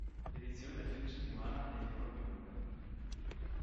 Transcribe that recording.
L'edizione del fine-settimana è di un'ora più lunga.